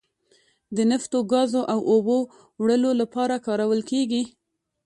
د نفتو، ګازو او اوبو وړلو لپاره کارول کیږي.